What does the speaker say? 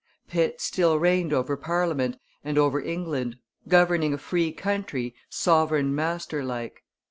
Pitt still reigned over Parliament and over England, governing a free country sovereign masterlike.